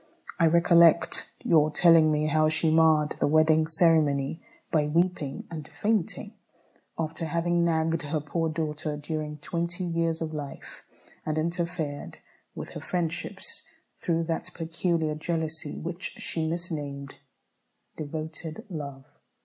I recollect your telling me how she marred the wedding ceremony, by weeping and fainting, after having nagged her poor daughter during twenty years of life, and interfered with her friendships, through that peculiar jealousy which she misnamed "devoted love."